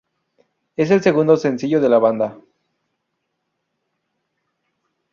Es el segundo sencillo de la banda.